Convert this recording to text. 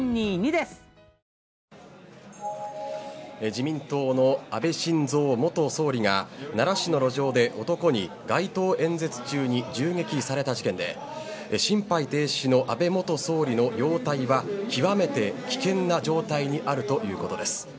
自民党の安倍晋三元総理が奈良市の路上で男に街頭演説中に銃撃された事件で心肺停止の安倍元総理の容体は極めて危険な状態にあるということです。